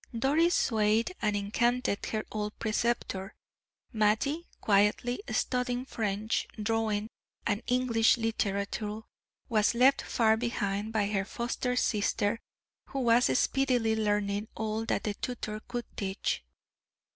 Doris swayed and enchanted her old preceptor. Mattie, quietly studying French, drawing, and English literature, was left far behind by her foster sister, who was speedily learning all that the tutor could teach.